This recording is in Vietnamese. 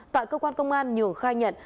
tại cơ quan công an nhường khai nhận